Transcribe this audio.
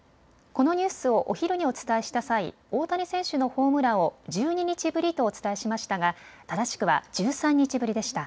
このニュースをお昼にお伝えした際、大谷選手のホームランを１２日ぶりとお伝えしましたが正しくは１３日ぶりでした。